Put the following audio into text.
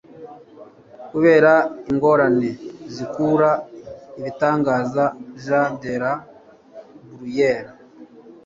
kubera ingorane zikura ibitangaza. - jean de la bruyere